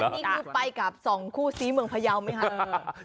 นี่คือไปกับสองคู่ซีเมืองพยาวไหมคะ